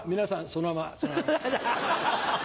そのままそのまま。